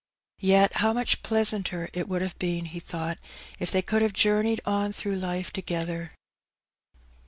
Yet how much pleasanter it would have been, he thought, if they could have journeyed on through life together.